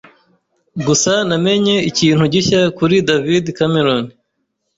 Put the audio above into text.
Gusa namenye ikintu gishya kuri David Cameron.